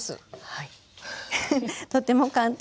はい。